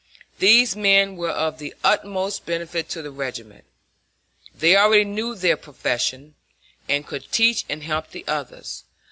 These men were of the utmost benefit to the regiment. They already knew their profession, and could teach and help the others.